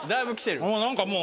何かもう。